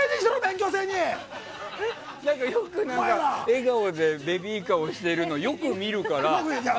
笑顔でベビーカーを押してるのを、よく見るから。